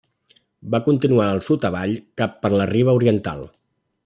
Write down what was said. Va continuar al sud avall cap per la riba oriental.